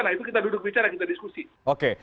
nah itu kita duduk bicara kita diskusi